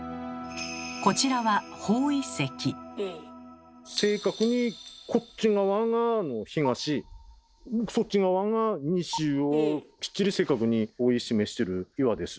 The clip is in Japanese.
こちらは正確にこっち側が東そっち側が西をきっちり正確に方位示してる岩です。